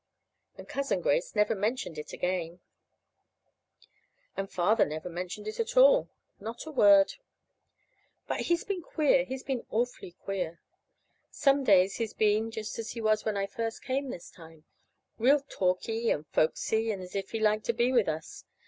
And Cousin Grace never mentioned it again. And Father never mentioned it at all. Not a word. But he's been queer. He's been awfully queer. Some days he's been just as he was when I first came this time real talky and folksy, and as if he liked to be with us.